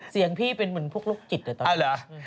เสียงพี่เป็นเหมือนพวกโรคจิตอะตอนนี้